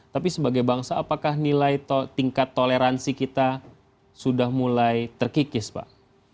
tapi sebagai bangsa apakah nilai tingkat toleransi kita sudah mulai terkikis pak